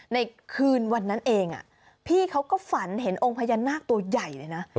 ในคืนวันนั้นเองพี่เขาก็ฝันเห็นองค์พญานาคตัวใหญ่เลยนะ